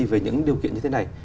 về những điều kiện như thế này